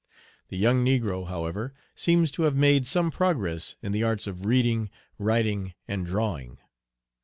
The young negro, however, seems to have made some progress in the arts of reading, writing, and drawing.